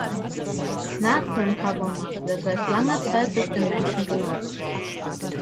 Natriumcarbonat wird seit langer Zeit durch den Menschen genutzt.